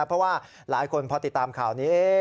เพราะว่าหลายคนพอติดตามข่าวนี้